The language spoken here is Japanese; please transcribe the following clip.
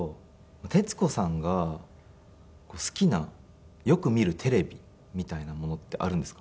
徹子さんが好きなよく見るテレビみたいなものってあるんですか？